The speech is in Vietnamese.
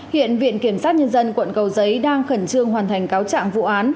hiện viện kiểm sát nhân dân quận cầu giấy đang khẩn trương hoàn thành cáo trạng vụ án